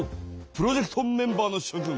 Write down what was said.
プロジェクトメンバーのしょ君。